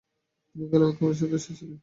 তিনি খেলাফত কমিটির সদস্য ছিলেন।